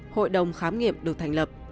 hội đồng khám nghiệm được thành lập